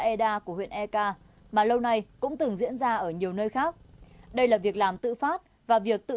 e đa của huyện ek mà lâu nay cũng từng diễn ra ở nhiều nơi khác đây là việc làm tự phát và việc tự